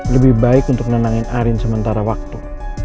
lebih baik untuk nenangin arin sementara waktu